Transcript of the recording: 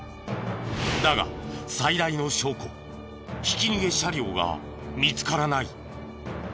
だが最大の証拠ひき逃げ車両が見つからない。